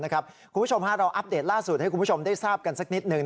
คุณผู้ชมเราอัปเดตล่าสุดให้คุณผู้ชมได้ทราบกันสักนิดหนึ่ง